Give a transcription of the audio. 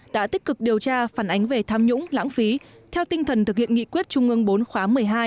đã tích cực điều tra phản ánh về tham nhũng lãng phí theo tinh thần thực hiện nghị quyết trung ương bốn khóa một mươi hai